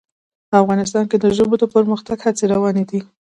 افغانستان کې د ژبو د پرمختګ هڅې روانې دي.